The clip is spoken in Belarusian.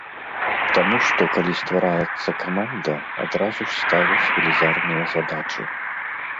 Таму што, калі ствараецца каманда, адразу ж ставяць велізарныя задачы.